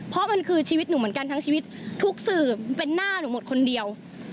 เพราะมันคือชีวิตหนูเหมือนกันทั้งชีวิตทุกสื่อเป็นหน้าหนูหมดคนเดียว